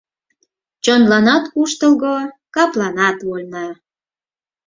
Чонланат куштылго, капланат вольна!